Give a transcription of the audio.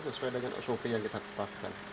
sesuai dengan sop yang kita tetapkan